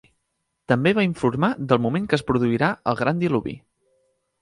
També va informar del moment que es produirà el gran diluvi.